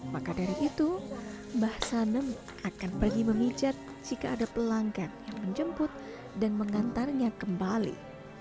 maka dari itu mbah sanem akan pergi memijat jika ada pelanggan yang menjemput dan mengantarnya kembali